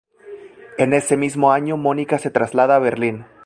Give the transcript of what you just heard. En ese mismo año Monika se traslada a Berlín.